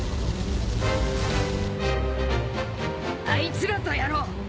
あいつらとやろう。